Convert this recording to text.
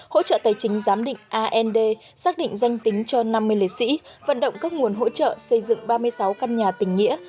hỗ trợ tài chính giám định and xác định danh tính cho năm mươi liệt sĩ vận động các nguồn hỗ trợ xây dựng ba mươi sáu căn nhà tình nghĩa